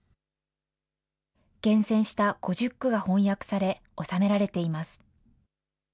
厳選した５０句が翻訳され、収められています。